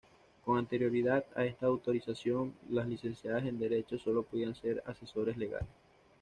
Con anterioridad a esta autorización, las licenciadas en derecho solo podían ser asesores legales.